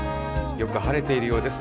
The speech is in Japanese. よく晴れているようです。